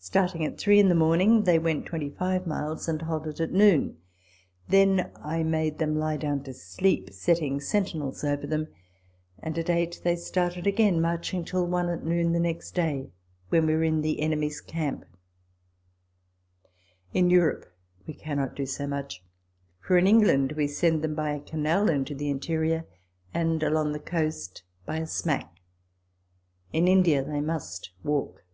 Starting at three in the morning, they went twenty five miles, and halted at noon. Then I made them lie down to sleep, setting sentinels over them ; and at eight they started again, march ing till one at noon the next day ; when we were in the enemy's camp. In Europe we cannot do so much. For in England we send them by a canal into the interior, and along the coast by a smack, In India they must walk.